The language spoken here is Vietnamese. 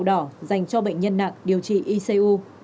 trong đó khu xanh là khu hành cho bệnh nhân nặng điều trị icu